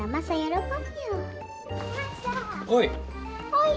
はい。